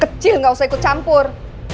kecil nggak usah ikut campur